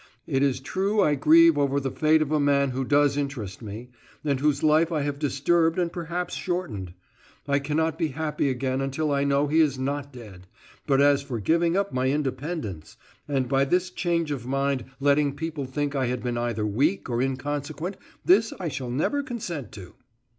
It is true I grieve over the fate of a man who does interest me, and whose life I have disturbed and perhaps shortened. I cannot be happy again until I know he is not dead; but as for giving up my independence, and by this change of mind letting people think I had been either weak or inconsequent this I shall never consent to."